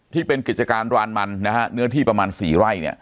ที่เป็นกิจการรานมันนะฮะเนื้อที่ประมาณ๔ไร่